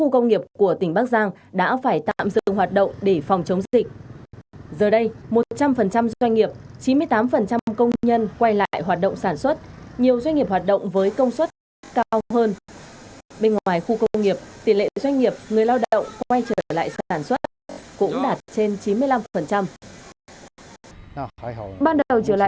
công tác phòng chống dịch covid một mươi chín